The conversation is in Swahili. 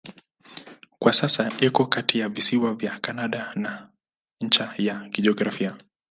Kwa sasa iko kati ya visiwa vya Kanada na ncha ya kijiografia.